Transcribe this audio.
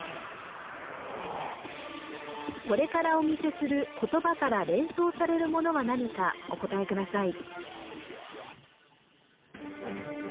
これからお見せする言葉から連想されるものは何かお答えください